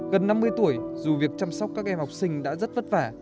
gần năm mươi tuổi dù việc chăm sóc các em học sinh đã rất vất vả